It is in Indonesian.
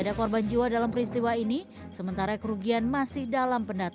dan angin puting beliung di sebuah kapal